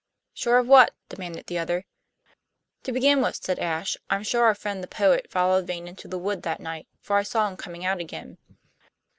"Sure of what?" demanded the other. "To begin with," said Ashe, "I'm sure our friend the poet followed Vane into the wood that night, for I saw him coming out again."